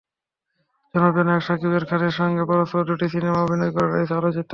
জনপ্রিয় নায়ক শাকিব খানের সঙ্গে পরপর দুটি সিনেমা অভিনয় করে হয়েছেন আলোচিত।